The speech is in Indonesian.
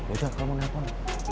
udah kamu nelfon